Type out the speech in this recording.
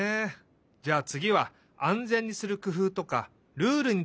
じゃあつぎはあんぜんにするくふうとかルールについてかんがえよう。